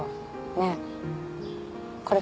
ねっこれ